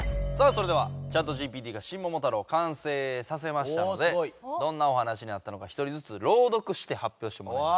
それではＣｈａｔＧＰＴが「シン・モモタロウ」をかんせいさせましたのでどんなお話になったのか１人ずつろう読してはっぴょうしてもらいます。